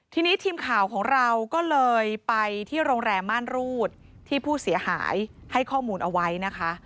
ทีนี้ทีมข่าวของเราก็เลยไปที่โรงแรมม่านรูดที่ผู้เสียหายให้ข้อมูลเอาไว้นะคะ